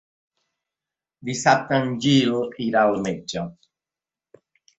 Dissabte en Gil irà al metge.